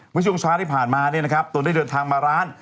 วัชยุงช้าที่ผ่านมาตอนได้เดินทางมาร้าน